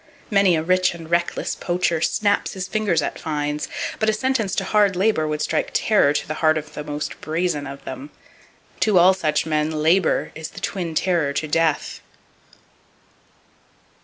Many a rich and reckless poacher snaps his fingers at fines; but a sentence to hard labor would strike terror to the heart of the most brazen of them. To all such men, "labor" is the twin terror to "death."